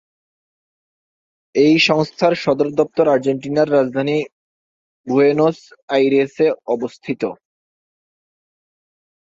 এই সংস্থার সদর দপ্তর আর্জেন্টিনার রাজধানী বুয়েনোস আইরেসে অবস্থিত।